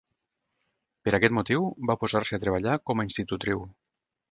Per aquest motiu, va posar-se a treballar com a institutriu.